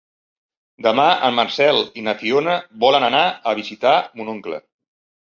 Demà en Marcel i na Fiona volen anar a visitar mon oncle.